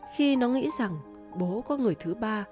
khi nó nghĩ rằng bố có người thứ ba